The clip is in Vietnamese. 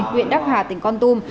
huyện đắc hà tỉnh con tum